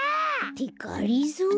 ってがりぞー？